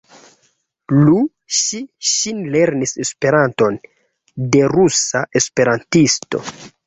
Lu Ŝi-Ŝin lernis Esperanton de rusa esperantisto.